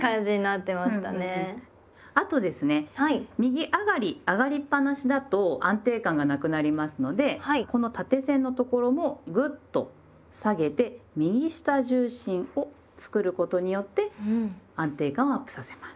あとですね右上がり上がりっぱなしだと安定感がなくなりますのでこの縦線のところをぐっと下げて右下重心を作ることによって安定感をアップさせます。